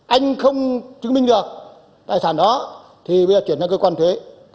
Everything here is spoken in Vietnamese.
anh không chứng minh được tài sản đó thì bây giờ chuyển sang cơ quan thuế